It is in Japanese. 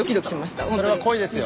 それは恋ですよ。